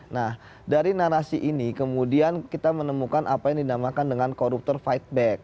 nah dari narasi ini kemudian kita menemukan apa yang dinamakan dengan koruptor fight back